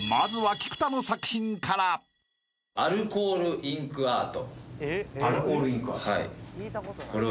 ［１作品目はアルコールインクアート］